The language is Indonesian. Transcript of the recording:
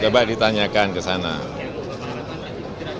yang bapak harapkan nanti digerasi dengan keras pengangkutan